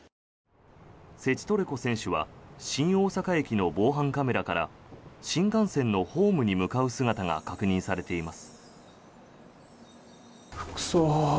セチトレコ選手は新大阪駅の防犯カメラから新幹線のホームに向かう姿が確認されています。